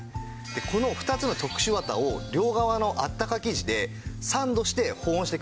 この２つの特殊綿を両側のあったか生地でサンドして保温してくれるんです。